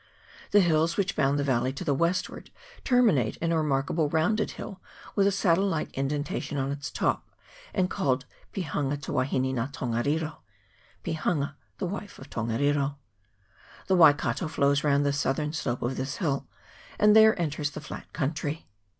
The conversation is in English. The hills which bound the valley to the westward terminate in a remark able rounded hill, with a saddle like indentation on its top, and called Pihanga te Waheni na Tongariro (Pihanga the wife of Tongariro). The Waikato flows round the southern slope of this hill, and there enters the flat country.